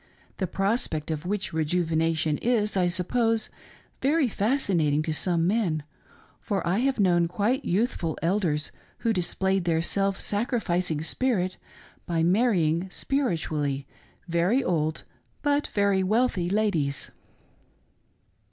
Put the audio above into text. — the prospect of which rejuvenation is, I suppose, very fascinating to some men, for I have known quite youthful ■Elders who displayed their self sacrificing spirit by marrying "spiritually" very old, but very wealthy, ladies.